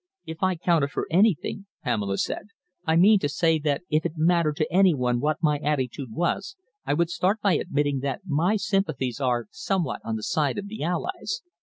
"If I counted for anything," Pamela said, "I mean to say if it mattered to any one what my attitude was, I would start by admitting that my sympathies are somewhat on the side of the Allies.